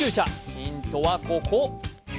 ヒントはここ！